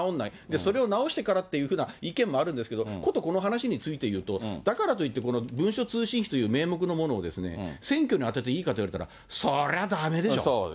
それを直してからっていうような意見もあるんですけど、ことこの話について言うと、だからといってこの文書通信費という名目のものを、選挙に充てていいかと言われたら、そりゃだめでしょ。